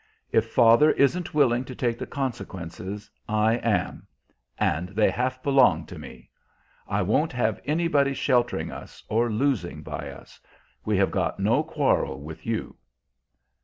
If father isn't willing to take the consequences, I am; and they half belong to me. I won't have anybody sheltering us, or losing by us. We have got no quarrel with you."